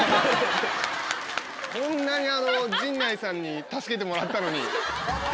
こんなに陣内さんに助けてもらったのに。